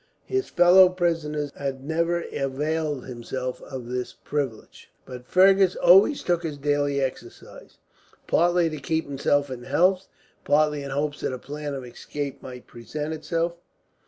His fellow prisoner had never availed himself of this privilege; but Fergus always took his daily exercise, partly to keep himself in health, partly in hopes that a plan of escape might present itself.